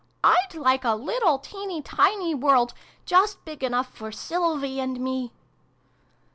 " I'd like a little teeny tiny world, just big enough for Sylvie and me